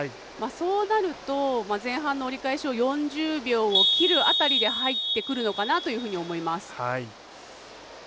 そうなると前半の折り返しを４０秒を切る辺りで入ってくるのかなというふうに思います。